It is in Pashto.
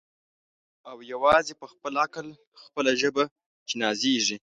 او یوازي په خپل عقل خپله ژبه چي نازیږي